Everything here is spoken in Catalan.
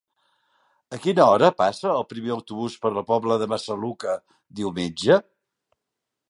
A quina hora passa el primer autobús per la Pobla de Massaluca diumenge?